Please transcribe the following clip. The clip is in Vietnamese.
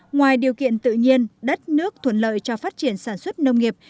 ngoài điều kiện tự nhiên đất nước thuận lợi cho phát triển sản xuất nông nghiệp